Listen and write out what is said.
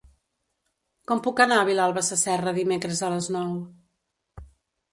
Com puc anar a Vilalba Sasserra dimecres a les nou?